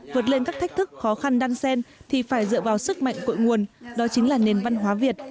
vượt lên các thách thức khó khăn đan sen thì phải dựa vào sức mạnh cội nguồn đó chính là nền văn hóa việt